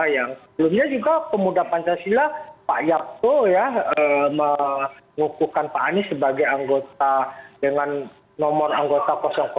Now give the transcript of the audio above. yang sebelumnya juga pemuda pancasila pak yapto ya mengukuhkan pak anies sebagai anggota dengan nomor anggota satu